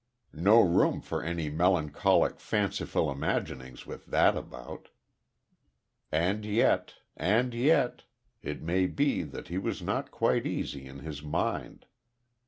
No room for any melancholic, fanciful imaginings with that about. And yet and yet it may be that he was not quite easy in his mind.